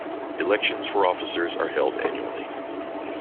Elections for officers are held annually.